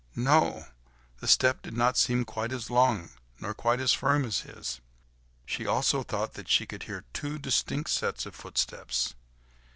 No! the step did not seem quite as long, nor quite as firm as his; she also thought that she could hear two distinct sets of footsteps.